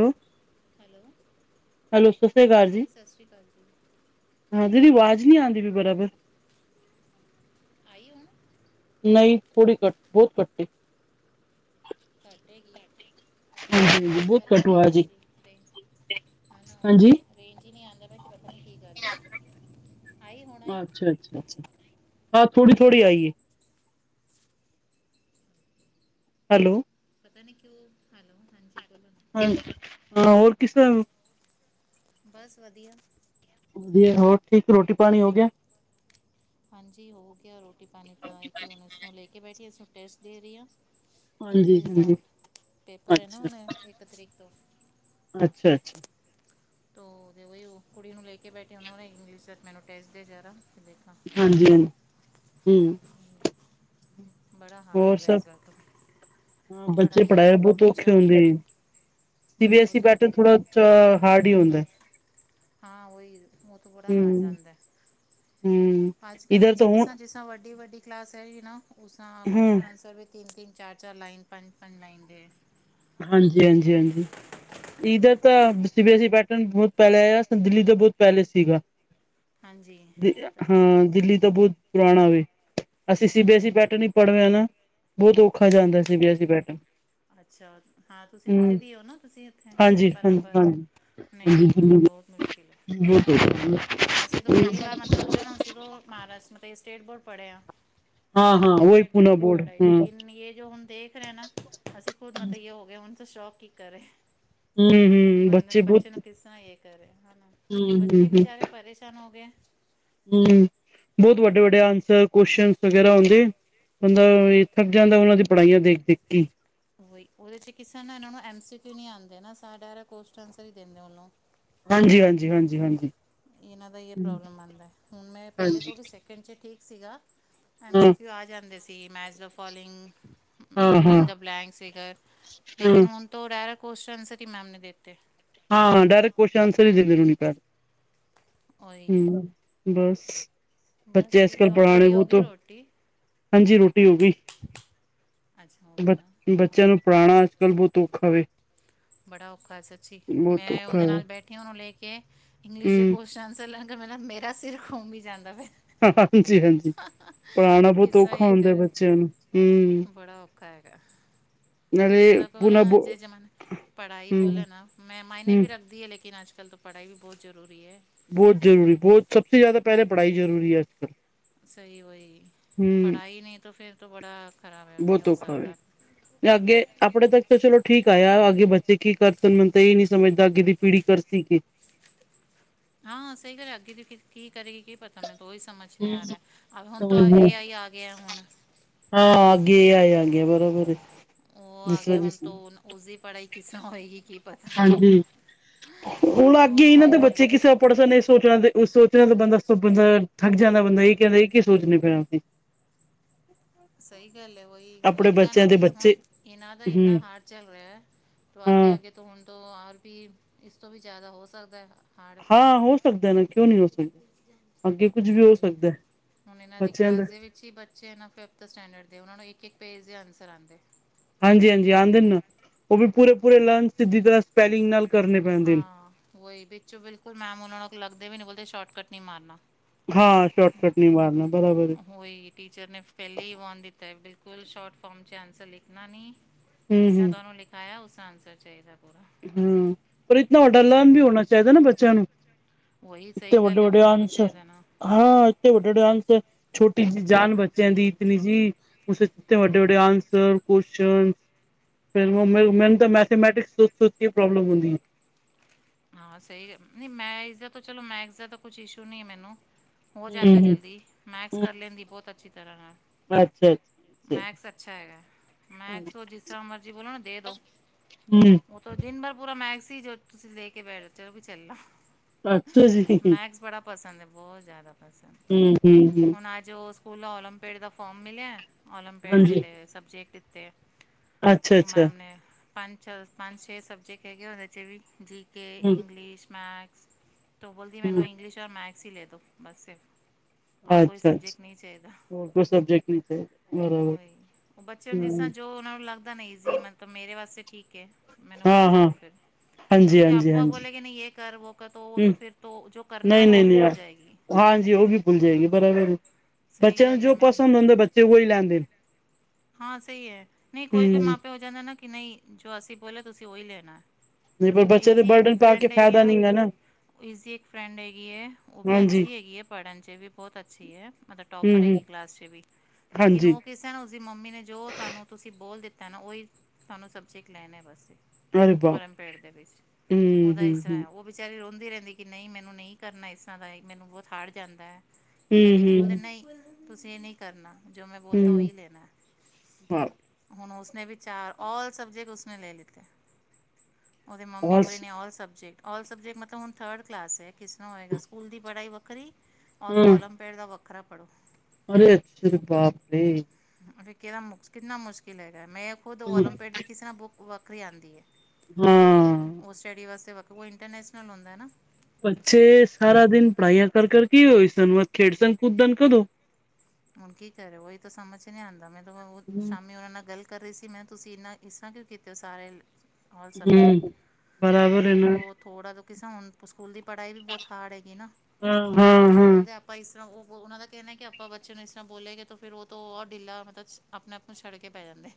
ਹੈਂ [unintelligible] ਹੈਲੋ ਹਾਂਜੀ ਸਤਿ ਸ੍ਰੀ ਅਕਾਲ ਜੀ [unintelligible] ਸਤਿ ਸ਼੍ਰੀ ਅਕਾਲ [inaudible] ਆਈ ਹੁਣ ਨਹੀਂ ਥੋੜੀ ਘੱਟ ਬਹੁਤ ਘੱਟੀ ਘੱਟ ਹੈਗੀ ਹਾਂਜੀ। [inaudible] ਨਹੀਂ ਆਉਂਦਾ। ਨਹੀਂ ਕੀ ਗੱਲ ਹੈ ਆਈ ਹੁਣ ਆਈ ਅੱਛਾ ਅੱਛਾ ਅੱਛਾ। ਹਾਂ ਥੋੜੀ ਥੋੜ੍ਹੀ ਆਈ ਏ। ਹੈਲੋ। ਪਤਾ ਨੀ ਕਿਉਂ? ਹੈਲੋ ਹਾਂਜੀ ਬੋਲੋ। ਨਾ। ਹਾਂ ਹਾਂ ਹੋਰ ਕਿਸ ਤਰ੍ਹਾਂ। ਬਸ ਵਧੀਆ। ਵਧੀਆ ਹੋਰ ਠੀਕ ਰੋਟੀ ਪਾਣੀ ਹੋ ਗਿਆ। ਹਾਂਜੀ ਹੋ ਗਿਆ ਰੋਟੀ ਪਾਣੀ ਤਾਂ। ਇੱਕ ਕਿ ਹੁਣ ਇਸਨੂੰ ਲੈ ਕੇ ਬੈਠੀ ਇਸਨੂੰ ਟੈਸਟ ਦੇ ਰਹੀ ਹਾਂ। ਹਾਂਜੀ ਇੰਗਲਿਸ਼ ਦਾ ਹਾਂਜੀ ਪੇਪਰ ਹੈ ਨਾ ਅੱਛਾ ਹੁਣ ਇੱਕ ਤਰੀਕ ਤੋਂ। [inaudible] ਉਹ ਜਿਵੇ ਕੁੜੀ ਨੂੰ ਲੈ ਕੇ ਬੈਠੇ। ਉਹਨਾਂ ਨੂੰ ਇੰਗਲਿਸ਼ ਦਾ ਟੈਸਟ ਦੇ ਮੈਨੂੰ ਜ਼ਰਾ। ਹਾਂਜੀ ਹਾਂਜੀ ਹਮ। ਬੜਾ ਹੀ ਹਾਰਡ ਹੋਰ ਹੈਗਾ ਸਭ ਇਸ ਵਾਰ ਤੋਂ ਹਾਂ ਬੱਚੇ ਪੜ੍ਹਾਈ ਪੜ੍ਹਾਏ ਬਹੁਤ ਔਖੇ ਬੱਚਿਆਂ ਨੂੰ। ਹੁੰਦੇ ਨੇ ਸੀ ਬੀ ਐਸ ਬਹੁਤ ਈ ਜ਼ਿਆਦਾ ਪੈਟਰਨ ਥੋੜਾ ਜਿਹਾ ਹਾਰਡ ਹੀ ਹੁੰਦਾ। ਹਾਂ ਹੋਈ। ਬਹੁਤ ਬੁਰਾ ਹਾਰ ਹਮ ਜਾਂਦਾ। ਹਮ ਅੱਜ ਕੱਲ ਇਧਰ ਤਾਂ ਵੈਸੀੇ ਹੁਣ ਕਿਸਾਂ ਜਿਸਾਂ ਵੱਡੀ ਵੱਡੀ। ਕਲਾਸ ਹੈ ਜੀ ਨਾ। ਉਸ ਹਮ ਕੁਸ਼ਚਨ ਆਨਰਸ ਵੀ ਤਿੰਨ ਤਿੰਨ ਚਾਰ ਚਾਰ ਲਾਈਨ ਪੰਜ ਪੰਜ ਲਾਈਨ ਦੇ। ਹਾਂ ਜੀ ਹਾਂ ਜੀ ਹਾਂ ਜੀ। ਇਧਰ ਤਾਂ C B S E pattern ਬਹੁਤ ਪਹਿਲਾਂ ਆਇਆ। ਦਿੱਲੀ ਦਾ ਬਹੁਤ ਪਹਿਲੇ ਸੀਗਾ। ਹਾਂਜੀ ਚਲੋ ਹਾਂ ਦਿੱਲੀ ਤਾਂ ਬਹੁਤ ਪੁਰਾਣਾ ਵੈ। ਅਸੀਂ C B S E pattern ਹੀ ਪੜ੍ਹਵੇ ਆ ਨਾ। ਬਹੁਤ ਔਖਾ ਜਾਂਦਾ C B S E pattern. ਅੱਛਾ ਹਾਂ ਤੁਸੀਂ ਉੱਥੇ ਹੂੰ ਵੀ ਹੋ ਨਾ ਤੁਸੀਂ ਇੱਥੇ ਹਾਂਜੀ ਹਾਂਜੀ ਬਰਾਬਰ ਨਹੀਂ ਨਹੀਂ ਬਸ ਬਹੁਤ ਮੁਸ਼ਕਿਲ ਹੈ ਹੂੰ ਹੋ [unintelligible] ਅਸੀਂ ਤੋਂ ਪਹਿਲੀ ਵਾਰ ਮਤਲਬ ਬੋਲੇ ਨਾ ਅਸੀਂ ਤੋਂ ਮਹਾਰਾਸ਼ਟਰ ਮਾ ਸਟੇਟ ਬੋਰਡ ਪੜ੍ਹਿਆ। ਹਾਂ ਹਾਂ ਉਹੀ ਸਟੇਟ ਪੂਨਾ ਬੋਰਡ ਦੀ ਪੜ੍ਹਾਈ ਹਾਂ ਹੂੰ ਲੇਕਿਨ ਇਹ ਜੋ ਹੁਣ ਦੇਖ ਰਹੇ ਨਾ ਅਸੀਂ ਖੁਦ ਮਤਬਈ ਹੋ ਗਏ। ਸ਼ੌਕ ਹੀ ਕਰੇ। ਹੂੰ ਹੂੰ ਬੰਦੇ ਬੱਚੇ ਨੂੰ ਬਹੁਤ। ਨੂੰ ਕਿਸ ਤਰ੍ਹਾਂ ਇਹ ਕਰੇ ਹੂੰ ਹੂੰ ਬੱਚੇ ਹੂੰ ਬੇਚਾਰੇ ਪਰੇਸ਼ਾਨ ਹੋ ਗਏ। ਹੂੰ। ਬਹੁਤ ਵੱਡੇ ਵੱਡੇ ਆਨਸਰ ਕਯੂਏਸ਼ਨਸ ਵਗੈਰਾ ਹੁੰਦੇ। ਬੰਦਾ ਇੱਥੇ ਜਾਂਦਾ ਉਹਨਾਂ ਦੀ ਪੜ੍ਹਾਈਆਂ ਦੇਖ ਦੇਖ ਕੇ ਹੀ। [inaudible] ਹਾਂਜੀ ਹਾਂਜੀ ਹਾਂਜੀ ਹਾਂਜੀ। ਇਹਨਾਂ ਦਾ ਇਹ ਪ੍ਰੋਬਲਮ ਆਉਂਦਾ। ਹੁਣ ਮੈਂ ਪਹਿਲੇ ਹਾਂਜੀ ਤੋਂ ਵੀ ਸੈਕਿੰਡ ਚ ਠੀਕ। ਸੀਗਾ। ਐਮ ਹਾਂ ਸੀ ਕਿਉ ਆ ਜਾਂਦੇ ਸੀ, ਮੈਚ ਦਾ ਫੋਲੋਇੰਗ ਹਾਂ ਹਾਂ ਫਿਲਿੰਗ ਦਾ। ਹੂੰ [inaudible] ਹਾਂ ਡਾਇਰੇਕਟ ਕੋਸਤਿਓਂਸ ਆਨਸਰ ਹੀ ਦੇਦੇ। ਉਹੀ ਬਸ। ਬਸ ਬੱਚੇ ਅੱਜ ਠੀਕ ਕੱਲ ਹੈ ਔਰ ਪੜ੍ਹਾਣੇ ਤੁਹਾਡੀ ਹੋ ਬਹੁਤ। ਗਈ ਰੋਟੀ ਹਾਂਜੀ ਰੋਟੀ ਹੋ ਗਈ। ਅੱਛਾ ਹੋ ਗਈ ਬ ਨਾ ਠੀਕ ਬੱਚਿਆਂ ਹੈ ਨੂੰ ਪੜਾਉਨਾਂ ਅੱਜ ਕੱਲ੍ਹ ਬਹੁਤ ਔਖਾ ਵੇ। ਬੜਾ ਔਖਾ ਸੱਚੀ। ਬਹੁਤ ਮੈਂ ਔਖਾ ਉਹਦੇ ਵੇ ਨਾਲ ਬੈਠੀ ਉਹਨੂੰ ਲੈ ਕੇ ਇੰਗਲਿਸ਼ ਦੇ ਹੂੰ ਕੋਸਚਨਸ ਆਨਾਰਸ। ਮਤਲਬ ਮੇਰਾ ਸਿਰ ਘੁੰਮ ਹੀ ਜਾਂਦਾ ਵੇਂ। ਹਾਂ ਜੀ ਹਾਂ ਜੀ। ਪੜ੍ਹਾਉਣਾ ਬਹੁਤ ਕਿਸਾ ਔਖਾ ਇਹ ਹੁੰਦਾ ਕਰ ਬੱਚਿਆਂ ਨੂੰ ਹਮ। ਬੜਾ ਔਖਾ ਹੈਗਾ ਮਤਲਬ ਬੋ ਨਾ ਅਜੇ ਜਮਾਨੇ ਪੜ੍ਹਾਈ ਹੂੰ ਬੋਲ ਨਾ ਮਹਿਮਾਇਨੇ ਹੂੰ ਵੀ ਰੱਖਦੀ ਹੈ। ਲੇਕਿਨ ਅੱਜ। ਚੱਲ ਤੋਂ ਪੜਾਈ ਵੀ ਬਹੁਤ ਜ਼ਰੂਰੀ ਹੈ। ਬਹੁਤ ਜ਼ਰੂਰੀ ਬਹੁਤ ਸਭ ਤੇ ਜ਼ਿਆਦਾ ਪਹਿਲੇ ਪੜ੍ਹਾਈ ਜ਼ਰੂਰੀ ਹੈ ਅੱਜ ਕਲ। ਸਹੀ ਹੋਹੀ। ਪੜ੍ਹਾਈ ਨਹੀਂ ਤਾਂ ਫਿਰ ਤੇ ਬੜਾ ਖਰਾਬ ਨਹੀਂ ਬਹੁਤ ਹੋ ਔਖਾ ਵੇ ਸਕਦਾ। ਅੱਗੇ ਆਪਣੇ ਤੱਕ ਤਾਂ ਚਲੋ ਠੀਕ ਆਇਆ। ਅੱਗੇ ਬੱਚੇ ਕੀ ਕਰ ਸਕਣ। ਮੈਨੂੰ ਤਾਂ ਇਹ ਨੀ ਸਮਝਦਾ ਅੱਗੇ ਦੀ। ਪੀੜੀ ਕਰ ਸੀ ਕਿ। ਹਾਂ ਸਹੀ ਗੱਲ ਅਗੀ ਦੀ ਫ ਕੀ। ਕਰੇ ਕੀ ਪਤਾ ਮੈਨੂੰ ਉਹੀ ਸਮਝ ਨ ਆ ਰਿਹਾ ਹੁਣ ਤਾਂ ਇਹ ਆਈ ਆ ਗਿਆ ਹੁਣ। ਹਾਂ ਅਗੇ ਆਏ ਆ ਗਿਆ ਬਰਾਬਰ। ਉਹ ਆ ਗ ਹੁਣ ਤ ਉਸਦੀ ਪੜ੍ਹਾਈ ਕਿਸਰ ਹੋਏਗੀ ਕੀ ਪਤਾ। ਹਾਂਜੀ। ਹੁਣ ਅੱਗੇ ਹੀ ਨਾ ਤੇ ਬੱਚੇ ਕਿਸੇ ਆਪਪੜਸ ਨਹੀਂ ਸੋਚਣਾ ਤੇ। ਉਹ ਸੋਚਣਾ ਤਾਂ ਬੰਦਾ ਬੰਦਾ ਥੱਕ ਜਾਂਦਾ ਬੰਦਾ ਇਹ ਕਹਿੰਦਾ ਇਹ ਕੀ ਸੋਚਦੇ ਫਿਰ। ਕੋਈ ਲੱਗਦਾ ਨਾ ਦੇ ਕਿ ਹੁਣ ਬੱਚੇ ਇਹਨਾਂ ਦਾ ਹੂੰ ਇੰਨਾ ਹਾਰ ਚੱਲ ਰਿਹਾ ਹੈ ਤ ਅੱਗੇ ਹਾਂ ਅੱਗੇ ਤੋਂ ਹੁਣ। ਤੋਂ ਰ ਵੀ ਇਸ ਤੋਂ ਵੀ ਜ਼ਿਆਦਾ ਹੋ ਸਕਦਾ। ਹਾਰਡ ਹਾਂ ਹੋ ਸਕਦਾ ਨਾ ਕਿਉਂ ਨਹੀਂਹੋ ਸਕਦਾ ਅੱਗੇ ਕੁੱਝ ਵੀ ਹੋ ਬਈ ਸਕਦਾ। ਹੁਣ ਇਹਨਾਂ ਦੀ ਬੱਚਿਆਂ ਦਾ ਕਲਾਸ ਦੇ ਵਿੱਚ ਹੀ ਬੱਚੇ ਫਿਫਥ ਸਟੈਂਡ ਦੇ ਨੂੰ ਇੱਕ ਇੱਕ ਪੇਜ ਦੇ ਆਉਦੇ। ਹਾਂਜੀ ਹਾਂਜੀ ਆਉਂਦੇ ਨੇ ਉਹ ਵੀ ਪੂਰੇ ਪੂਰੇ ਲਰਨ ਸਿੱਧੀ ਤਰ੍ਹਾਂ ਸਪੈਲਿੰਗ ਨਾਲ। ਕਰਨੇ ਪੈਂਦੇ ਨੇ ਹਾਂ ਉਹੀ ਵਿੱਚੋਂ ਬਿਲਕੁਲ ਮੈਮ ਉਹਨਾਂ ਨੂੰ ਲੱਗਦੇ ਵੀ ਨੀ ਬੋਲਦੇ ਸ਼ੋਰਟਕੱਟ ਨ ਮਾਰਨਾ। ਹਾਂ ਸ਼ੋਰਟਕਟ ਨਹੀਂ ਮਾਰਨਾ ਬਰਾਬਰ ਉਹੀ ਟੀਚਰ ਨੇ ਪਹਿਲੇ ਹੀ ਵਾਨ ਦਿੱਤਾ ਬਿਲੁਲ। ਕੋਲ ਸ਼ੋਰਟ ਫਾਰਮ 'ਚ ਆਂਸਰ ਲਿਖਣਾ ਨਹੀਂ ਹੂੰ ਜਿਸ ਤਰ ਤੁਹਾਨੂੰ ਲਿਖਾਇਆ ਉਸਰ ਆਂਸਰ ਚਾਹੀਦਾ ਬ। ਹਾਂ ਪਰ ਇਤਨਾ ਔਡਰਲਨ ਵੀ ਹੋਣਾ ਚਾਹੀਦਾ ਨਾ ਬੱਚਿਆਂ ਨੂੰ। ਉਹੀ ਇੇਨੇ ਸਹੀ ਵੱਡੇ ਗੱਲ ਹੈ ਵੱਡੇ ਹੋਣਾ ਵੀ ਅੰਸ਼ ਚਾਹੀਦਾ ਨਾ ਹਾਂ ਇੱਥੇ ਵੱਡੇ ਵੱਡੇ ਅੰਸ ਹੈ। ਛੋਟੀ ਜਿਹੀ ਜਾਨ ਬੱਚਿਆਂ ਦੀ ਇਤਨੀ ਜੀ ਉਸ ਵੱਡੇ ਵੱਡੇ ਆਂਸਰ ਕੁਸ਼। ਫਿਰ ਮੈਨੂੰ ਤਾਂ ਮੈਥਾਮੈਟਿਕਸ ਸੋਚ ਸੋਚ ਕੇ ਹੀ ਪ੍ਰੋਬਲਮ ਹੁੰਦੀ ਹੈ। ਹਾਂ ਸਹੀ ਨਹੀਂ ਮੈਂ ਇਸਦਾ ਚਲੋ ਮੈਥ ਦਾ ਕੋਈ ਇਸ਼ੂ ਨਹੀ ਮੈਨੂੰ। ਹੋ ਜਾਂਦਾ ਹੂੰ ਜਲਦੀ ਮੈਥਸ ਹੂੰ ਕਰ ਲੈਂਦੀ ਬਹੁਤ ਅੱਛੀ ਤਰ੍ਹਾਂ ਨਾਲ। ਅੱਛਾ ਅੱਛਾ ਮੈਕਸ ਅੱਛਾ ਹੈਗਾ ਮੈਕਸ ਉਹ ਜਿਸ ਤਰ੍ਹਾਂ ਮਰਜੀ ਬੋਲੋ ਨਾ ਦੇ ਦੋ। ਹੂੰ ਉਹ ਤਾਂ ਦਿਨ ਭਰ ਪੂਰਾ ਮੈਗ ਸੀ ਜੋ ਤੁਸੀਂ ਦੇ ਕੇ ਬੈਠ ਚਲੋ ਵੀ ਚੱਲਣਾ। ਅੱਛਾ ਜੀ। ਮੈਕਸ ਬੜਾ ਪਸੰਦ ਹੈ ਬਹੁਤ ਜ਼ਿਆਦਾ ਪਸੰਦ ਹੂੰ ਹੂੰ ਹੂੰ ਹੁਣ ਅੱਜ ਉਹ ਸਕੂਲ ਓਲੰਪਿਕ ਦਾ ਫੋਮ ਮਿਲਿਆ। ਆਓਲਪੇਡ ਦੇ ਹਾਂਜੀ ਲਈ ਸਬਜੈਕਟ ਇਤੇ। ਅੱਛਾ ਅੱਛਾ। ਪੰਜ ਪੰਜ ਛੇ ਸਬਜੈਕਟ ਹੈਗੇ ਉਹਦੇ 'ਚ ਵੀ ਜੀ ਕੇ ਹੂੰ ਇੰਗਲਿਸ਼ ਮੈਥ। ਤ ਬੋਲਦੀ ਮੈਨੂੰ ਹੂੰ ਇੰਗਲਿਸ਼ਔ ਮੈਥਸ ਹੀ ਲੈ ਦ ਬਸ ਸਿਰਫ। ਔਰ ਕੋਈ ਅੱਛਾ ਅੱਛਾ ਸਬਜੈਕਟ ਨਹੀਂ ਚਾਹੀਦਾ ਹੋਰ ਕੋਈ ਸਬਜੈਕਟ ਨਹੀਂ ਬਰਾਬ ਉਹੀ ਉਹ ਬੱਚੇ ਨੂੰ ਜਿਸ ਹ। ਜੋ ਉਹਨਾਂ ਨੂੰ ਲੱਗਦਾ ਨਾ ਜ਼ ਮਤਲਬ ਮੇਰੇ ਵਾਸਤੇ ਠੀਕਏ ਮੈਨੂੰ ਹਾਂ ਉਹੀ ਹਾਂ ਕਰੋ ਫਿਰ। ਹਾਂਜੀ ਕਿਉਂਕਿ ਹਾਂਜੀ ਆਪਾਂ ਹਾਂਜੀ ਬੋਲੇ ਕਿ ਨਹੀਂ ਯ ਕਰ ਵੋ ਕਰ ਹੂੰ ਫਿਰ ਜੋ ਕਰਨੇ ਨਹੀਂ ਵਾਲਾ ਉਹ ਨਹੀਂ ਵੀ ਨਹੀਂ ਭੁੱਲ ਜਾਏਗੀ। ਹਾਂਜੀ ਉਹ ਵੀ ਭੁੱਲ ਜਾਏਗੀ ਬੜਾ ਵ ਬੱਚਿਆਂ ਨੂੰ ਜੋ ਪਸੰਦ ਹੁੰਦਾ ਬੱਚੇ ਉਹੀ ਲੈਂਦੇ। ਹਾਂ ਸਹੀ ਹੈ ਨਹੀਂ ਕੋਈ ਕੋਈ ਹੂੰ, ਮਾਪੇ ਹੋ ਜਾਂਦਾ ਨਾ ਕਿ ਨਹੀਂ ਜੋ ਅਸੀਂ ਬੋਲਿਆ ਤੁਸੀਂ ਉਹੀ ਲੈਣਾ। ਨਹੀਂ ਪਰ ਬੱਚੇ ਤੇ ਈਜ਼ੀ ਇੱਕ ਬਰਡਨ ਪਾ ਕੇ ਫਰੈਂਡ ਹੈਗੀ ਫ਼ਾਇਦਾ ਨਹੀਂਗਾ ਨਾ। ਇਸਦੀ ਇੱਕ ਫਰੈਂਡ ਹੈਗੀ ਹੈ ਉਹ ਵੀ ਹਾਂਜੀ ਅੱਛੀ ਹੈਗੀ ਹੈ ਪੜ੍ਹਨ ਚ ਵੀ ਬਹੁਤ ਅੱਛੀ ਹੈ ਮਤਲਬ ਹੂੰ ਟੋਪਰ। ਹੂੰ ਕਲਾਸ ਚ ਵੀ ਲੇਕਿਨ ਹਾਂਜੀ ਉਹ ਕਿਸੇ। ਉਸਦੀ ਮੰਮੀ ਨੇ ਜੋ ਤੁਹਾਨੂੰ ਤੁਸੀਂ ਬੋਲ ਦਿੱਤਾ ਨਾ ਉਹੀ ਤੁਹਾਨੂੰ ਸਬਜੇ ਲੈਣੇ ਵਸੇ। ਅਰੇ ਬਾਪ ਔਰਮਪੇੜ ਦੇ ਵਿੱਚ ਹੂੰ ਉਹਦਾ ਹੂੰ ਇਸ ਤਰ੍ਹਾਂ ਹੂੰ ਹੈ ਉਹ ਵਿਚਾਰੀ ਰੋਂਦੇ। ਰਹਿੰਦੀ ਕਿ ਨਹੀਂ ਮੈਨੂੰ ਨਹੀਂ ਕਰਨਾ ਇਸ ਤਰ੍ਹਾਂ ਦਾ ਮੈਨੂੰ ਬਹੁਤ ਹਾਰੜ ਜਾਂਦਾ ਹੈ ਕੀ ਹੈ ਹੂੰ ਲੇਕਿਨ ਬੋਲਦੇ ਹੂੰ ਨਹੀਂ। ਤੁਸੀਂ ਇਹ ਨਹੀਂ ਕਰਨਾ ਜੋ ਮੈਂ ਬੋਲਤਾ ਉਹੀ ਲੈਣਾ। ਹਾਂ। ਉਸਨੇ ਵੀ ਚਾਰ ਔਲ ਸਬਜੈਕਟ ਉਸਨੇ ਲੈ ਲਿਤੇ। ਉਹਦੇ ਮੰਮੀ ਔਸ ਬੋਲੇ ਨੇ ਆਲ ਸਬਜੈਕਟ। ਆਲ ਸਬਜੈਕਟ ਮਤਲਬ ਹੁਣ ਥਰਡ ਕਲਾਸ ਹੈ ਕਿਸ ਤਰ੍ਹਾਂ ਹੋਏਗਾ ਸਕੂਲ ਦੀ ਪੜ੍ਹਾਈ ਵੱਖਰੀ। ਔਰ ਉਹ ਹੂੰ ਓਲੰਪੀਅਡ ਦਾ ਵੱਖਰਾ ਪੜ੍ਹੋ। ਅਰੇ ਅੱਛ ਬਾਪ ਨੇ। ਫਿਰ ਕਿਹੜਾ ਮੁ ਕਿੰਨਾ ਮੁਸ਼ਕਿਲ ਹੈਗਾ ਮੈਂ ਖੁਦ ਓਲੰਪੀਡ ਦੀ ਕਿਸੇ ਤ ਨਾਲ ਬੁ ਵੱਖਰੀ ਆਂਦੀ ਹੈ। ਹਾਂ ਸਟਡੀ ਵਾਸਤੇ ਇੰਟਰਨੈਸ਼ਨਲ ਹੁੰਦਾ। ਬੱਚੇ ਸਾਰਾ ਦਿਨ ਪੜ੍ਹਾਈਆਂ ਕਰ ਕਰਰ ਕੀ ਹੋਈ ਸਨਵਾਦ ਖੇਡਸਨ ਕੂਦਦਨ ਕਦੋਂ। ਹੁਣ ਕੀ ਕਰੇ ਉਹੀ ਤਾਂ ਸਮਝ ਚ ਨਹੀ ਆਉਂਦਾ ਮੈਂ ਤਾਂ ਸ਼ਾਮੀ ਉਹਨਾਂ ਨਾਲ ਗੱਲ। ਕਰ ਰਹੀ ਸੀ, ਮੈਂ ਤੁਸੀਂ ਇਹਨਾਂ ਇਸ ਤਰ੍ਹਾਂ ਕਿਉਂ ਕੀਤੇ ਹੋ ਸਾਰੇ ਸਬਜੈਕਟ ਹੂੰ ਇਨਫ ਬਰਾਬਰ ਹੈ ਤੋ ਨਾ ਥੋੜਾ ਕਿਸ ਹੁਣ ਸਕੂਲ ਦੀ ਪੜ੍ਹਾਈ ਵੀ ਬਹੁਤ ਹਾਰਡ ਹੈਗੀ ਨਾ, ਹਾਂ ਹਾਂ ਹਾਂ ਬੋਲਦੇ ਆਪਾਂ ਇਸ ਤਰ੍ਹਾਂ ਉਹ ਉਹਨਾਂ ਦਾ ਕਹਿਣਾ ਕਿ ਆਪਾਂ ਬ ਬੱਚੇ ਨੂੰ ਇਸ ਤਰ੍ਹਾਂ ਬੋਲੇਗੇ ਤੇ ਫਿਰ ਉਹ ਤੋਂ ਉਹ ਢੀਲਾ ਮਤਲਬ ਆਪਣੇ ਆਪ ਨੂੰ ਛੱਡ ਕੇ ਪੈ ਜਾਂਦੇ।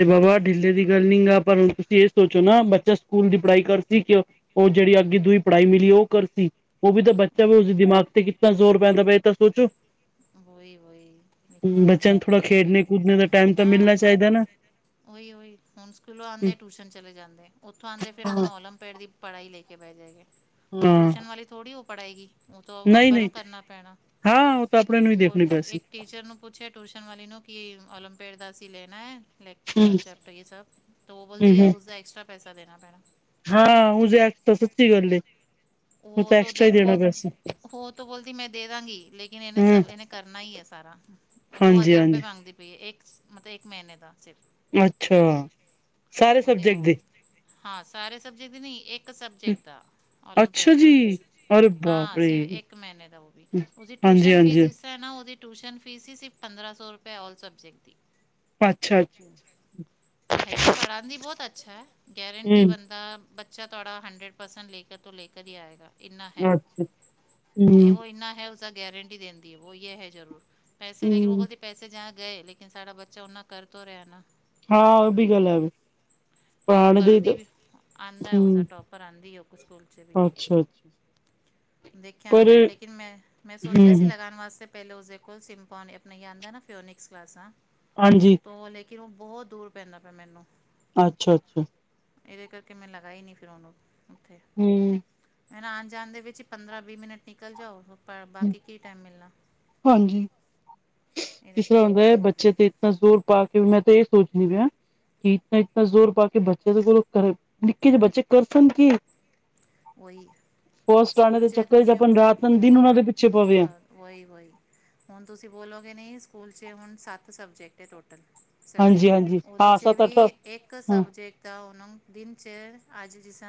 ਹ ਬਾਬਾ ਢਿੱਲੇ ਦੀ ਗੱਲ ਨੀ ਗਾ ਪਰ ਹੁਣ ਤੁਸੀਂ ਇਹ ਸੋਚੋ ਨਾ ਬੱਚਾ ਸਕੂਲ ਦੀ ਪੜ੍ਹਾਈ ਕਰਤੀ ਕਿਉ- ਉਹ ਜਿਹੜੀ ਅੱਗੇ ਦੂਈ ਪੜ੍ਹਾਈ ਮਿਲੀ ਉਹ ਕਰ ਸੀ। ਉਹ ਵੀ ਤਾਂ ਬੱਚਾ ਵੀ ਉਹੀ ਉਸਦੇ ਦਿਮਾਗ ਤੇ ਕੀਤਾ ਜ਼ੋਰ ਪੈਂਦਾ ਪਏ ਇਹ ਤਾਂ ਸੋਚੋ ਵੋਹੀ-ਵੋਹੀ, ਲੇਕਿਨ ਬੱਚਿਆਂ ਨੂੰ ਥੋੜਾ ਹੁਣ ਮੈਂ ਫਿਰ ਖੇਡਣੇ ਕੂਦਣੇ ਦਾ ਟਾਈਮ ਤਾਂ ਮਿਲਣਾ ਕਿਆ ਚਾਹੀਦਾ ਨਾ ਉਹੀ-ਉਹੀ, ਹੁਣ ਸਕੂਲੋਂ ਆਉਂਦੇ ਟਿਊਸ਼ਨ ਚਲੇ ਜਾਂਦੇ। ਉੱਥੋਂ ਆਂਦੇ ਫਿਰ ਆਪਣਾ ਓਲਮਪਡ ਦੀ ਪੜ੍ਹਾਈ ਲੈ ਕੇ ਬਹਿ ਜਾਏ ਗੇ, ਹੁਣ ਟਿਊਸ਼ਨ ਵਾਲ ਥੋੜੀ ਉਹ ਪੜ੍ਹਏਗੀ ਨੀ-ਨੀ, ਹਾਂ ਉਹ ਤਾਂ ਆਪਣੇ ਨੂੰ ਹੀ ਉਹ ਦੇਖਣੀ ਪੈਸੀ ਇੱਕ ਟੀਚਰ ਨੂੰ ਪੁੱਛਿਆ ਟਿਊਸ਼ਨ ਵਾਲੀ ਨੂੰ ਕਿ ਓਲਮਪੇਡ ਦਾ ਅਸੀ ਲੈਣਾ ਐ। ਫਲੈਕਸ ਹਮ ਚੈਪਟਰ ਇਹ ਸਭ ਉਹ ਹਮ ਬੋਲਦੇ ਹਮ ਉਸਦਾ ਐਕਸਟਰਾ ਪੈਸਾ ਦੇਣਾ ਪੈਣਾ ਹਾਂ ਹੋ ਜੇ ਐਕ ਸੱਚੀ ਗੱਲ ਏ ਤੂੰ ਤਾਂ ਐਕਸਟਰਾ ਹੀ ਦੇਣਾ ਪੈਸਾ ਹੋਰ ਤਾਂ ਬੋਲਦੀ, ਮੈਂ ਦੇ ਦਾਂਗੀ ਲੇਕਿਨ ਇਹਨੇ ਹਮ ਸਲੇਬਸ ਇਹਨੇ ਕਰਨਾ ਹੀ ਹੈ ਸਾਰਾ ਦੋ ਹਾਂਜੀ ਹਜ਼ਾਰ ਰੁਪਏ ਹਾਂਜੀ ਮੰਗਦੇ ਪਈ ਹੈ, ਇੱਕ ਮਤਲਬ ਇੱਕ ਮਹੀਨੇ ਦਾ ਅੱਛਾ। ਸਾਰੇ ਸਬਜੈਕਟ ਦੇ ਹਾਂ ਸਾਰੇ ਸਬਜੈਕਟ ਨੀ, ਇੱਕ ਸਬਜੈਕਟ ਦਾ ਓਲ ਅੱਛਾ ਜੀ ਅਰੇ ਬਾਪ ਹਾਂ ਰੇ ਇੱਕ ਮਹੀਨੇ ਦਾ ਉਹ ਵੀ, ਉਸਦੀ ਹਾਂਜੀ ਟਿਊਸ਼ਨ ਫੀਸ ਹਾਂਜੀ ਇਸ ਤਰ੍ਹਾਂ ਨਾ ਉਹਦੀ ਟਿਊਸ਼ਨ ਫੀਸ ਸੀ, ਸਿਰਫ ਪੰਦਰਾਂ ਸੌ ਰੁਪਏ ਆਲ ਸਬਜੈਕਟ ਦੀ ਅੱਛਾ। ਹੈਗੀ ਪੜ੍ਹਾਉਣ ਦੀ ਬਹੁਤ ਅੱਛਾ, ਗਰੰਟੀ ਹੂੰ ਬੰਦਾ ਬੱਚਾ ਤੁਹਾਡਾ ਹੰਡਰਡ ਪਰਸੈਂਟ ਲੈ ਕਰ ਤੋਂ ਲੈ ਕਰ ਹੀ ਆਏਗਾ। ਇੰਨਾ ਹੈ ਅੱਛਾ ਇਹ ਹੂੰ ਉਹੋ ਇੰਨਾ ਹੈ ਉਸਦਾ ਗਰੰਟੀ ਦਿੰਦੀ ਹੈ ਵ ਇਹ ਹੈ ਜ਼ਰੂਰ। ਪੈਸੇ ਲੇਕਨ ਉਹ ਹੂੰ ਬੋਲਦੀ ਪੈਸੇ ਜਾਂ ਗਏ ਲੇਕਨ ਸਾਡਾ ਬੱਚਾ ਓਨਾ ਕਰ ਤੋਂ ਰਿਹਾ ਨਾ ਹਾਂ ਇਹ ਵੀ ਗੱਲ ਐ। ਨਹੀਂ ਉਹ ਕਰਦੀ ਵੀ, ਆਦਾ ਉਸਦਾ ਹੂੰ ਟੋਪਰ ਆਦੀ ਸਕੂਲ ਚ ਵੀ। [inaudible] ਦੇਖਿਆ ਨਾ ਪਰ ਮੈਂ ਲੇਕਿਨ ਮੈ, ਮੈਂ ਸੋਚਿਆ ਸੀ ਹੂੰ ਲਗਾਣ ਵਾਸਤੇ ਪਹਿਲਾਂ ਉਸਦੇ ਕੋਲ ਸਿੰਪੋਨ ਐਪ ਨੀ ਆਦਾ ਨਾ ਫਿਓਨਿਕਸ ਕਲਾਸਾਂ ਹਾਂਜੀ। ਕਿ ਬਹੁਤ ਦੂਰ ਪੈਂਦਾ ਪਿਆ ਮੈਨੂੰ ਅੱਛਾ-ਅੱਛਾ। ਇਹਦੇ ਕਰਕੇ ਮੈਂ ਲਗਾ ਹੀ ਨਹੀਂ ਫਿਰ ਉਹਨੂੰ, ਹੂੰ। ਫੇਰ ਆਣ ਜਾਣ ਦੇ ਵਿੱਚ ਹੀ ਪੰਦਰਾਂ ਵੀਹ ਮਿੰਟ ਨਿਕਲ ਜਾਓ, ਬਾਕੀ ਕੀ ਟਾਈਮ ਮਿਲਣਾ। ਹਾਂਜੀ, ਇਹਦੇ ਕਿਸ ਤਰ੍ਹਾਂ ਹੁੰਦਾ ਕਰਕੇ ਏ ਬੱਚੇ ਤੇ ਇਤਨਾ ਜ਼ੋਰ ਪਾ ਕੇ ਮੈਂ ਤੇ ਇਹ ਸੋਚਣੀ ਪਿਆ। ਕਿ ਇਤਨਾ ਇਤਨਾ ਜ਼ੋਰ ਪਾ ਕੇ ਬੱਚਿਆਂ ਦੇ ਕੋਲੋਂ ਕਰ, ਨਿੱਕੇ ਜੇ ਬੱਚੇ ਕਰ ਸਨ ਕਿ ਕੋਈ ਸਕੂਲ ਚ ਚੱਕਰ ਤੁਸੀਂ ਆਪਾਂ ਰਾਤ ਦਿਨ ਬ ਉਹਨਾਂ ਦੇ ਪਿੱਛੇ ਪਵੇ ਆ ਬਤ ਵੋਹੀ-ਵੋਹੀ ਹੁਣ ਤੁਸੀਂ ਬੋਲੋਗੇ ਨਹੀਂ ਸਕੂਲ ਚ ਹੁਣ ਸੱਤ ਸਬਜੈਕਟ ਐ, ਟੋਟਲ ਸੈਵਨ ਹਾਂਜੀ ਹਾਂਜੀ ਉਹਦੇ ਹਾਂ ਚ ਸੱਤ ਅੱਠ ਵੀ ਇੱਕ ਹਾਂ ਸਬਜੇਕਟ ਦਾ ਉਹਨੂੰ ਦਿਨ ਚ ਅੱਜ ਜਿਸ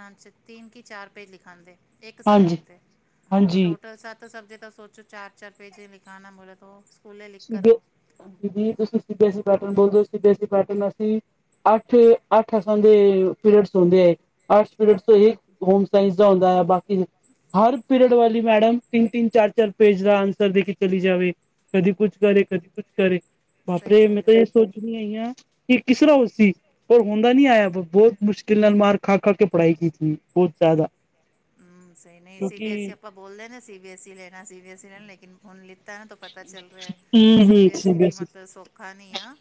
ਤਿੰਨ ਕਿ ਚਾਰ ਪੇਜ ਲਿਖਾਦੇ, ਇੱਕ ਹਾਂਜੀ ਸਬਜੈਕਟ ਦੇ ਹਾਂਜੀ ਟੋਟਲ ਸੱਤ ਸਬਜੈਕਟ ਤਾਂ ਸੋਚੋ ਚਾਰ-ਚਾਰ ਪੇਜੇ ਲਿਖਾਨਾ ਬੋਲੇ ਤੋ ਸੀ ਬੀ, ਜੇ ਤੁਸੀਂ ਸੀ ਬੀ ਐਈ ਪੈਟਰਨ ਬੋਲਦੇ ਹੋ C B S E pattern ਅਸੀਂ ਅੱਠ, ਅੱਠ ਅਸਾਂ ਦੇ ਪੀਰੀਅਡਸ ਹੁੰਦੇ ਏ। ਅੱਠ ਪੀਰੀਅਡਸ ਤੋਂ ਹੋਮ ਸਾਇੰਸ ਦਾ ਹੁੰਦਾ। ਬਾਕੀ ਹਰ ਪੀਰੀਅਡ ਵਾਲੀ ਮੈਡਮ ਤਿੰਨ-ਤਿੰਨ, ਚਾਰ-ਚਾਰ ਪੇਜ ਦਾ ਆਂਸਰ ਦੇ ਕੇ ਚਲੀ ਜਾਵੇ, ਕਦੀ ਕੁਛ ਕਰੇ, ਕਦੀ ਕੁਛ ਕਰੇ ਬਾਪਰੇ ਮੈਂ ਤਾਂ ਇਹ ਸੋਚਣੀ ਆਈ ਆ ਇਹ, ਕਿਸ, ਤਰਾਂ ਉਹ ਸੀ। ਔ, ਹੁੰਨ ਦਾ ਨਹੀਂ ਆਇਆ। ਬਹੁਤ ਮੁਸ਼ਕਿਲ ਨਾਲ, ਮਾਰ ਖਾ- ਖਾ, ਕੇ ਪੜਾਈ ਕੀਤੀ, ਬਹੁਤ ਜ਼ਿਆਦਾ। ਹੂੰ। ਸਹੀ ਨਹੀਂ, ਸੀ ਬੀ ਐੱਸ ਈ, ਕਿਉਂਕਿ ਆਪਾਂ ਬੋਲਦੇ ਹ ਨਾ, ਸੀ ਬੀ ਐੱਸ ਈ ਲੈਣਾ। ਸੀ ਬੀ ਐੱਸ ਈ ਲੈਣਾ। ਲੇਕਿਨ ਹੁਣ ਲ ਤਾਂ, ਇਹਨਾਂ ਤੋਂ ਪਤਾ ਚੱਲ ਰਿਹਾ। ਸੀ ਬੀ ਐਸ ਈ ਦੀ ਮਤਲਬ ਸੌਖਾ ਨੀ ਆ।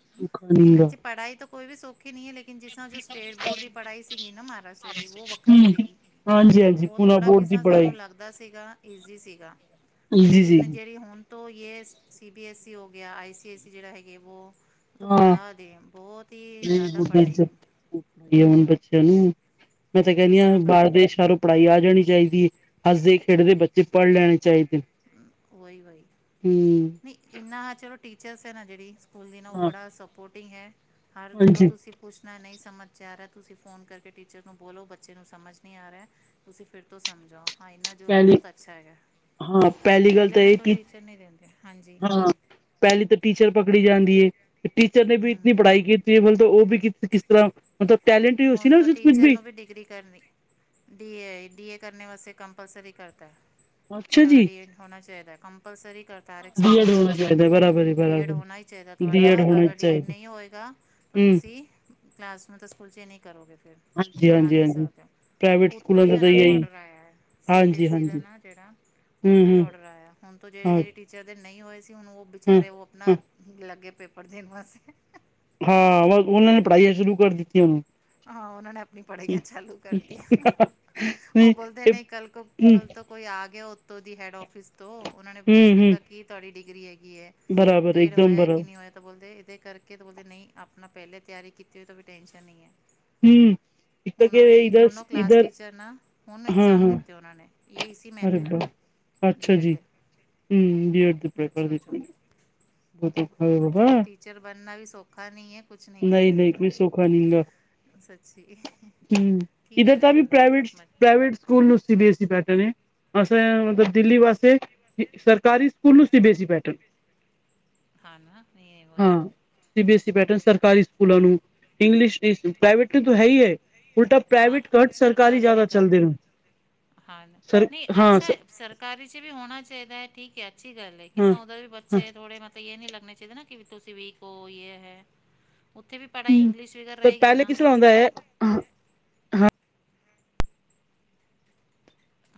ਅੱਛੀ। ਪੜਾਈ ਤੋਂ, ਕੋਈ ਵੀ ਸੌਖੀ ਨਹੀਂ ਹੈ। ਲੇਕਿਨ ਜਿਸ ਤਰਾਂ, ਜੋ ਸਟੇਟ ਬੋਰਡ ਦੀ, ਪੜਾਈ ਸੀਗੀ ਨਾ, ਮਹਾਰਾਸ਼ਟਰ ਦੀ, ਉਹ ਵੱਖਰੀ ਸੀਗੀ। ਹਾਂਜੀ ਹਾਂਜੀ ਉਹ, ਪੂਨਾ ਥੋੜਾ ਬੋਰਡ ਦੀ ਕਿਸਾਂ ਪੜ੍ਹਾਈ ਸਾਨੂੰ, ਲੱਗਦਾ ਸੀਗਾ। ਈਜ਼ੀ ਸੀਗਾ, ਜੀ ਜੀ ਲੇਕਿਨ ਜਿਹੜੀ, ਹੁਣ ਤੋਂ, ਯੇ, ਸੀ ਬੀ ਐੱਸ ਈ, ਹੋ ਗਿਆ। ਆਈ ਸੀ ਐੱਸ ਈ, ਜਿਹੜਾ ਹੈਗਾ ਵੋ ਉਹ ਤਾਂ ਹਾਂ ਬੜਾ ਦੇ, ਬਹੁਤ ਹੀ ਜ਼ਿਆਦਾ ਪੜਾਈ ਹੈ। ਅ ਨੂੰ, ਮੈਂ ਤਾਂ, ਕਹਿੰਦੀ ਕਿਸ ਆ। ਤਰ੍ਹਾਂ ਬਾਹਰ ਬ- ਦੇਸ਼ਾ ਆਲੀ ਪੜਾਈ ਆ। ਜਾਣੀ ਚਾਹੀਦੀ ਹੈ। ਹੱਸਦੇ- ਖੇਡਦੇ ਬੱਚੇ, ਪੜ ਲੈਣੇ ਚਾਹੀਦੇ। ਉਹੀ, ਬਾਈ, ਹਮ ਨਹੀਂ ਇੰਨਾ, ਚਲੋ ਟੀਚਰਸ ਹੈ, ਨਾ ਜਿਹੜੀ। ਉਹ ਹਾਂ ਬੜਾ ਸਪੋਰਟਿੰਗ ਹੈ। ਹਰ, ਜੋ ਹਾਂਜੀ ਤੁਸੀਂ ਪੁੱਛਣਾ, ਨਹੀਂ ਸਮਝ ਆ ਰਿਹਾ। ਤੁਸੀਂ, ਫ਼ੋਨ ਕਰਕੇ ਟੀਚਰ ਨੂੰ, ਬੋਲੋ ਬੱਚੇ ਨੂੰ ਸਮਝ ਨਹੀਂ ਆ ਰਿਹਾ। ਤੁਸੀਂ ਫੇਰ, ਤੋਂ ਸਮਝਓ। ਹਾਂ। ਇੰਨਾ ਜ਼ਰ, ਪਹਿਲੀ ਬਹੁਤ ਅੱਛਾ, ਹੈਗਾ। ਹਾਂ ਪਹਿਲੀ ਗੱਲ ਪਹਿਲੇ ਤਾਂ, ਨਾਲ ਇਹ ਕਿ, ਟੀਚਰ ਨਹੀਂ ਦਿੰਦੇ ਹਾਂਜੀ ਹਾਂ। ਪਹਿਲੀ ਤਾਂ ਟੀਚਰ ਪਕੜੀ ਜਾਂਦੀ ਹੈ। ਟੀਚਰ ਨੇ ਵੀ, ਇਤਨੀ ਹੂੰ ਪੜਾਈ ਕੀਤੀ। ਬਲ ਤਾਂ ਉਹ ਵੀ, ਕਿਸ ਤਰਾਂ। ਹੁਣ। ਤਾ ਟੀਚਰ ਨੂੰ ਵੀ, ਡਿਗਰੀ ਕਰਨੀ, ਡੀ ਏ, ਡੀ ਏ। ਕਰਨੇ ਵਾਸਤੇ ਕੰਪਲਸਰੀ ਕਰਤਾ। ਅੱਛਾ ਤੁਹਾਡਾ ਜੀ ਬੀ ਏ ਹੋਣਾ ਚਾਹੀਦਾ ਕੰਪਲਸਰੀ। ਕਰਤਾਰਕ ਬੀ ਸਕੂਲ, ਐਡ ਦੇ ਹੋਣਾ ਵਿੱਚ। ਚਾਹੀਦਾ ਬਰਾਬਰ ਬੀ ਏਡ ਬਰਾਬਰ ਹੋਣਾ ਹੀ ਚਾਹੀਦਾ ਬੀ ਤੁਹਾਡਾ। ਐਡ ਹੋਣਾ ਅਗਰ ਬੀ ਏਡ ਚਾਹੀਦਾ ਨਹੀਂ ਹੋਏਗਾ, ਤਾਂ ਹਮ ਤੁਸੀਂ ਕਲਾਸ ਨੂੰ ਦਸ ਕੁਲਚੇ ਨੇ- ਹਾਂਜੀ ਪੜਾ, ਹਾਂਜੀ ਨਹੀਂ ਹਾਂਜੀ ਸਕਦੇ। ਪ੍ਰਾਈਵੇਟ ਉਤੋਂ ਸਕੂਲਾਂ ਹੀ, ਦਾ ਤਾਂ ਇਹਨਾਂ ਨੂੰ, ਇਹੀ ਔਡਰ ਆਇਆ ਹੈ। ਸੀ ਬੀ ਐ ਹਾਂਜੀ ਈ ਦਾ ਹਾਂਜੀ ਨਾ ਜਿਹੜਾ। ਹਮ ਉੋਂਤੋ ਹੀ ਹਮ ਓਡਰ ਆਇਆ ਹੁਣ ਤੋਂ ਹਾਂ ਜਿਹੜੇ-ਜਿਹੜੇ ਟੀਚਰ ਦੇ ਨਹੀਂ ਹੋਏ ਸੀ। ਹੁਣ ਉਹ ਹੂੰ ਬੇਚਾਰੇ ਉਹ ਹੂੰ ਆਪਣਾ ਲੱਗੇ ਪੇਪਰ ਦੇਣ ਵਾਸਤੇ- ਹਾਂ। ਉਹਨਾਂ ਨੇ, ਪੜਾਈਆਂ ਸ਼ੁਰੂ ਕਰ ਦਿੱਤੀਆਂਨ। ਹਾਂ। ਉਹਨਾਂ ਨੇ, ਆਪਣੀ ਪੜਾਈਆਂ ਚਾਲੂ, ਕਰਤੀਆਂ। ਉਹ, ਬੋਲਦੇ ਨਹੀਂ, ਕੱਲ ਕੋ, ਕੱਲ ਤੋਂ, ਕੋਈ ਆ ਗਿਆ। ਦੀ ਹੈਡ ਔਫਿਸ ਤੋਂ, ਉਹਨਾਂ ਨੇ ਹੂੰ ਪੁੱਛ ਹੂੰ ਲਿੱਤਾ, ਕਿ ਤੁਹਾਡੀ ਡਿਗਰੀ ਹੈਗੀ? ਹੈਗੀ ਐਂ, ਡੇਢ ਹੋਇਆ, ਕਿ, ਨਹੀਂ ਹੋਇਆ ਤਾਂ ਬੋਲਦੇ ਇਹਦੇ ਕਰਕੇ, ਤਾਂ ਬੋਲਦੇ ਨਹੀਂ, ਆਪਣਾ ਪਹਿਲੇ- ਤਿਆਰੀ ਕੀਤੀ ਹੋਈ, ਤਾਂ ਵੀ, ਟੈਂਨਸ਼ਨ ਨਹੀਂ ਹੈ। ਹੂੰ। ਹੁਣ, ਇਹਦੀ ਦੋਨੋ ਕਲਾਸ ਟੀਚਰ ਨਾ। ਹੁਣ ਇਗਜ਼ਾਮ ਦਿੱਤੇ ਉਹਨਾਂ ਨੇ, ਇਹੀ ਸੀ ਮੈਨੇ ਅੱਛਾ ਜੀ। ਹੂੰ, ਬੀ ਐਡ, ਦੇ ਪ੍ਰੇਪਰ ਅੱਛਾ ਦਿੱਤੇ ਅੱਛਾ ਏ। ਮਤਲਬ [unintelligible] ਟੀਚਰ ਬਣਨਾ ਵੀ ਸੌਖਾ, ਨਹੀਂ ਹੈ। ਕੁਝ ਨਹੀਂ- ਨਹੀਂ, ਹੋਏਗਾ ਕੋਈ ਸੌਖਾ, ਨਹੀਂ ਹੈਗਾ। ਸੱਚੀ ਹੂੰ, ਕੀ ਇੱਧਰ ਕਰੇ ਤਾਂ ਵੀ, ਬੰਦੇ ਪ੍ਰਾਈਵੇਟ, ਮਤ ਪ੍ਰਾਈਵੇਟ ਸਕੂਲ ਨੂੰ ਸੀ ਬੀ ਐਸ ਈ ਕਰਦੇ ਨੇ ਏ। ਅਸੀ, ਮਤਲਬ ਦਿੱਲੀ ਵਾਸਤੇ, ਸਰਕਾਰੀ ਸਕੂਲ ਨੂ C B S E pattern. ਹਾਂ ਨਾ ਨਹੀਂ ਵਹੀ ਹਾਂ। C B S E pattern ਸਰਕਾਰੀ ਸਕੂਲਾਂ ਨੂੰ। ਇੰਗਲਿਸ਼ ਦੀ-ਪ੍ਰਾਈਵੇਟ ਤੇ, ਤੂੰ, ਹੈ। ਹੀ, ਏ। ਉਲਟਾ ਪ੍ਰਾਈਵੇਟ ਘਟ। ਸਰਕਾਰੀ ਜ਼ਿਆਦਾ ਚੱਲਦੇ ਨੇ। ਹਾਂ। ਸਰ ਨਹੀਂ, ਹਾਂ ਅੱਛਾ ਏ। ਸਰਕਾਰੀ ਚ ਵੀ ਹੋਣਾ ਚਾਹੀਦਾ ਹੈ। ਠੀਕ- ਹੈ ਅੱਛੀ ਗੱਲ ਹੈ। ਕਿ ਹਾਂ ਸੌਂਦਾ ਵੀ ਹਾਂ ਬੱਚੇ ਥੋੜੇ ਬ ਤਾਂ ਇਹ, ਨੀ ਲੱਗਣੇ ਚਾਹੀਦੇ ਨਾ, ਕਿ ਤੁਸੀਂ ਵੀ ਕਹੋ ਯੇ ਹੈ। ਉੱਥੇ ਵੀ, ਪੜਾਈ ਇੰਗਲਿਸ਼ ਵੀ ਚ ਪਰ ਰਹੇਗੀ ਪਹਿਲੇ ਨਾ। ਕਿਸ ਤਰ੍ਹਾਂ ਹੁੰਦਾ ਹੈ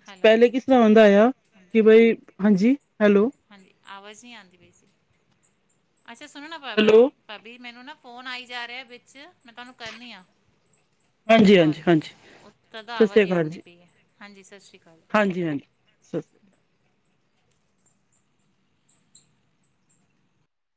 ਹੈਲੋ ਪਹਿਲੇ ਕੀ, ਸੁਣਾਉਣ ਦਾ, ਆਇਆ ਕਿ, ਬਾਈ ਹਾਂਜੀ, ਹੈਲੋ। ਆਵਾਜ ਨੀ ਆਂਦੀ ਪਈ ਸੀ। ਅੱਛਾ। ਸੁਣੋ ਨਾ ਬਾ ਬਾ ਹੈਲੋ ਭਾਬੀ, ਮੈਨੂੰ ਨਾ। ਫੋਨ, ਆਈ ਜਾ ਰਿਹਾ ਹੈ। ਵਿੱਚ ਮੈਂ, ਤੁਹਾਨੂੰ ਕਰਨੀ ਆ। ਹਾਂਜੀ ਕਾੱਲ ਹਾਂਜੀ ਹਾਂਜੀ ਤਾਂ, ਤਾਂ ਸਤਿ ਆਵਾਜ਼ ਸ੍ਰੀ ਹੀ ਅਕਾਲ ਆਉਂਦੀ ਜੀ ਪਈ ਏ। ਹਾਂਜੀ। ਸਤਿ ਸ੍ਰੀ- ਹਾਂਜੀ ਹਾਂਜੀ ਸਤਿ ਸ੍ਰੀ ਆਕਾਲ